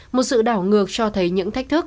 một sự đảo ngược cho thấy những thách thức